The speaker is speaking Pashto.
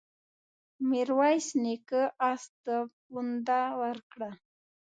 ميرويس نيکه آس ته پونده ورکړه.